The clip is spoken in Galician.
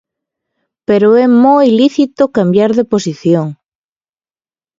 Pero é moi lícito cambiar de posición.